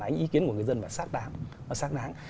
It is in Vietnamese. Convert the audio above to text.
phản ánh ý kiến của người dân và xác đáng